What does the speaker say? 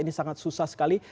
ini sangat susah sekali